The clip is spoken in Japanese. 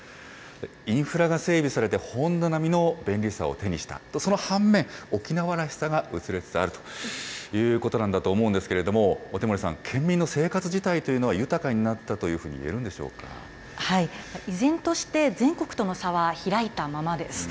インフラが整備されて、本土並みの便利さを手にしたと、その反面、沖縄らしさが薄れつつあるということだと思うんですけれども、小手森さん、県民の生活自体というのは、豊かになったというふうに言えるんで依然として、全国との差は開いたままです。